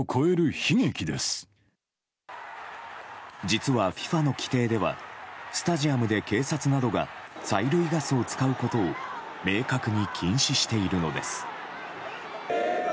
実はＦＩＦＡの規定ではスタジアムで警察などが催涙ガスを使うことを明確に禁止しているのです。